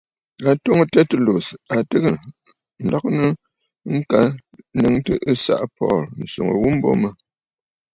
A twoŋə̀ Tertullus, a tɨgə̀ ǹlɔgɨnə ŋka nnɨŋtə ɨsaʼa Paul, ǹswoŋə ghu mbo mə.